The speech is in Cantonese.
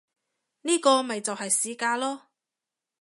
呢個咪就係市價囉